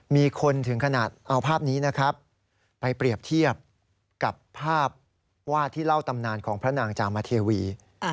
มีคนถึงขนาดเอาภาพนี้นะครับไปเปรียบเทียบกับภาพวาดที่เล่าตำนานของพระนางจามเทวี